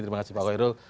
terima kasih pak wairul